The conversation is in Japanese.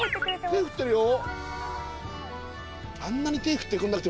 手振ってるよ。